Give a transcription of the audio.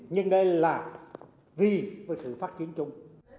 nhưng đây là vì với sự phát triển chung